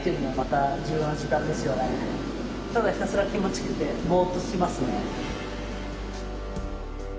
ただひたすら気持ちよくてボーッとしてますね。